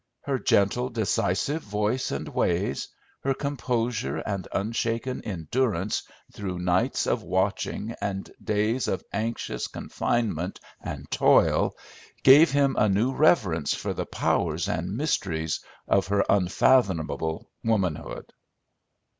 Her gentle, decisive voice and ways, her composure and unshaken endurance through nights of watching and days of anxious confinement and toil, gave him a new reverence for the powers and mysteries of her unfathomable womanhood.